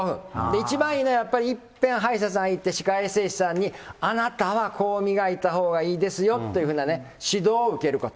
一番いいのはやっぱり、いっぺん歯医者さん行って、歯科衛生士さんに、あなたはこう磨いたほうがいいですよというふうな指導を受けること。